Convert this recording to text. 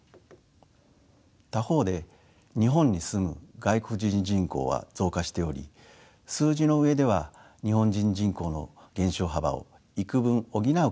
他方で日本に住む外国人人口は増加しており数字の上では日本人人口の減少幅を幾分補う形で推移しています。